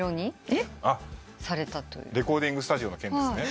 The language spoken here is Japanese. えっ？レコーディングスタジオの件ですね。